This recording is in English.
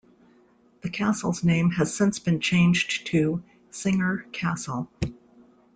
The castle's name has since been changed to "Singer Castle".